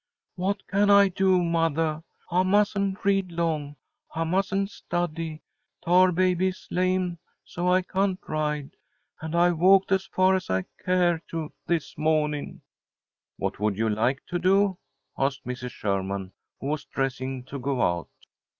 "What can I do, mothah? I mustn't read long, I mustn't study, Tarbaby is lame, so I can't ride, and I've walked as far as I care to this mawning." "What would you like to do?" asked Mrs. Sherman, who was dressing to go out.